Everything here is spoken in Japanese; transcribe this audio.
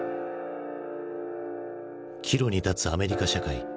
岐路に立つアメリカ社会。